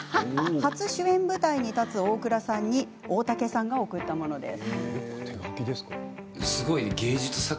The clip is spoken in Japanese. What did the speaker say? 初主演舞台に立つ大倉さんに大竹さんが贈ったものです。